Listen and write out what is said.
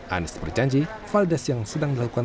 anies berjanji validas yang sedang melakukan